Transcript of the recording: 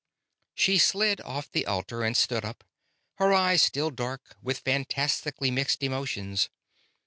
She slid off the altar and stood up, her eyes still dark with fantastically mixed emotions.